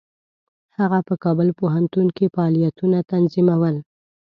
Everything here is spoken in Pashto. هغه په کابل پوهنتون کې فعالیتونه تنظیمول.